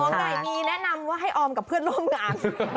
ใหม่มีแนะนำว่าให้ออมกับเพื่อนร่วมงาน